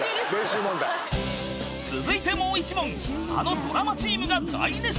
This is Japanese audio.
［続いてもう１問あのドラマチームが大熱唱］